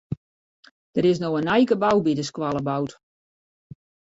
Der is no in nij gebou by de skoalle boud.